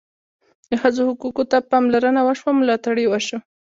د ښځو حقوقو ته پاملرنه وشوه او ملاتړ یې وشو.